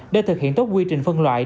để thực hiện tốt quy trình phân loại